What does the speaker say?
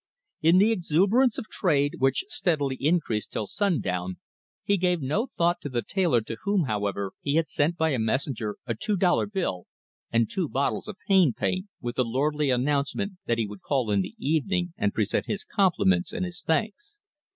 In the exuberance of trade, which steadily increased till sundown, he gave no thought to the tailor, to whom, however, he had sent by a messenger a two dollar bill and two bottles of Pain Paint, with the lordly announcement that he would call in the evening and "present his compliments and his thanks."